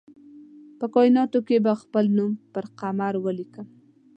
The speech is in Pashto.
په کائیناتو کې به خپل نوم پر قمر ولیکم